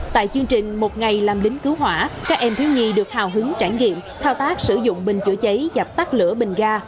tại chương trình một ngày làm lính cứu hỏa các em thiếu nhi được hào hứng trải nghiệm thao tác sử dụng bình chữa cháy dập tắt lửa bình ga